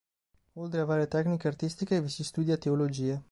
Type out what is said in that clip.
Oltre a varie tecniche artistiche, vi si studia teologia.